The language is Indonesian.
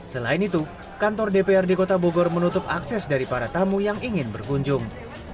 selain itu kantor dprd kota bogor menutup akses dari para tamu yang ingin berkunjung